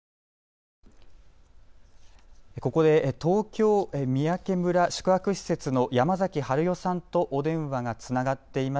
ここで東京三宅村、宿泊施設の山崎春代さんとお電話がつながっています。